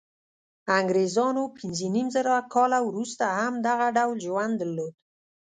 انګرېزانو پنځه نیم زره کاله وروسته هم دغه ډول ژوند درلود.